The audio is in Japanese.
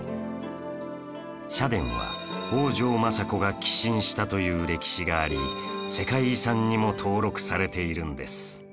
社殿は北条政子が寄進したという歴史があり世界遺産にも登録されているんです